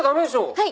はい。